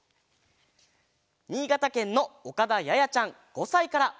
にいがたけんのおかだややちゃん５さいから。